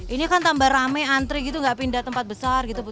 ini kan tambah rame antri gitu gak pindah tempat besar gitu buk